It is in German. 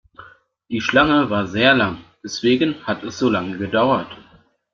Die Schlange war sehr lang, deswegen hat es so lange gedauert.